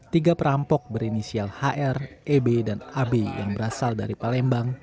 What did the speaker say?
tiga perampok berinisial hr eb dan ab yang berasal dari palembang